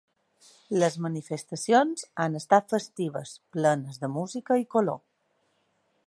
Les manifestacions han estat festives, plenes de música i color.